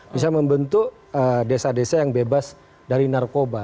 bisa membentuk desa desa yang bebas dari narkoba